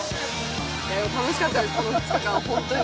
楽しかったです、この２日間、本当に。